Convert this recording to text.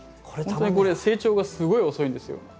これは成長がすごい遅いんですよ。